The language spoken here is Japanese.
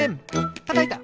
たたいた！